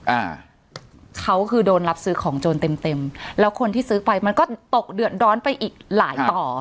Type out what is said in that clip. อ่าเขาคือโดนรับซื้อของโจรเต็มเต็มแล้วคนที่ซื้อไปมันก็ตกเดือดร้อนไปอีกหลายต่อ